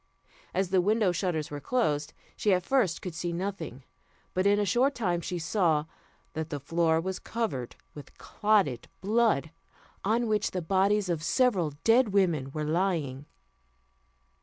As the window shutters were closed, she at first could see nothing; but in a short time she saw that the floor was covered with clotted blood, on which the bodies of several dead women were lying.